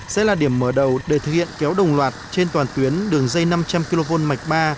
sẽ là điểm mở đầu để thực hiện kéo đồng loạt trên toàn tuyến đường dây năm trăm linh kv mạch ba